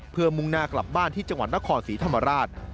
เพื่อมุ่งหน้ากลับบ้านที่จังหวัดนครศรีธรรมราช